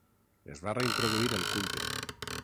Es va reintroduir el culte.